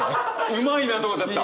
うまいなと思っちゃった。